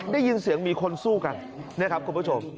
ได้ยินเสียงมีคนสู้กันนะครับคุณผู้ชม